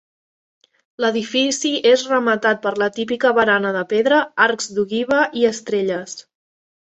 L'edifici és rematat per la típica barana de pedra, arcs d'ogiva i estrelles.